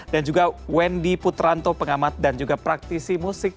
dan juga wendy putranto pengamat dan juga praktisi musik